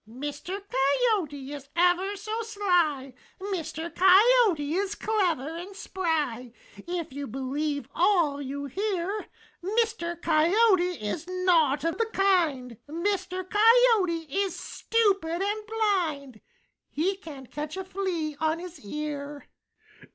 "Mr. Coyote is ever so sly; Mr. Coyote is clever and spry; If you believe all you hear. Mr. Coyote is naught of the kind; Mr. Coyote is stupid and blind; He can't catch a flea on his ear."